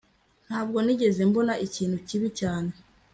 Ntabwo nigeze mbona ikintu kibi cyane